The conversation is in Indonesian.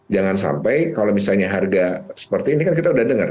jangan sampai kalau misalnya harga seperti ini kan kita udah dengar